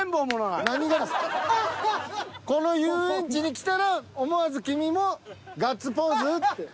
この遊園地に来たら「思わずキミもガッツポーズ！？」